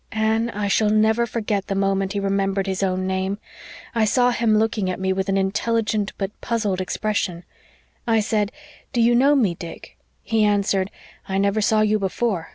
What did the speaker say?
Anne, I shall never forget the moment he remembered his own name. I saw him looking at me with an intelligent but puzzled expression. I said, 'Do you know me, Dick?' He answered, 'I never saw you before.